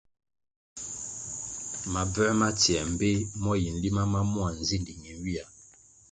Mabvē ma tsiē mbpeh mo yi nlima ma mua nzindi nenywihya.